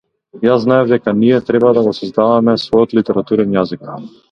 Јас знаев дека ние треба да го создаваме својот литературен јазик.